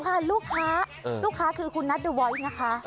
เพลงเง้นนั้นเนี่ยนะคะ